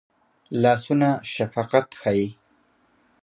لاسونه شفقت ښيي